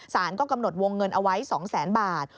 ศาลก็กำหนดวงเงินเอาไว้๒๐๐๐๐๐บาท